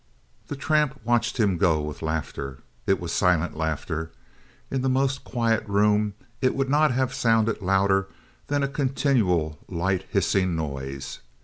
The tramp watched him go with laughter. It was silent laughter. In the most quiet room it would not have sounded louder than a continual, light hissing noise.